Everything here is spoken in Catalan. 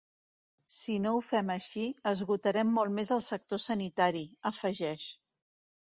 “Si no ho fem així, esgotarem molt més el sector sanitari”, afegeix.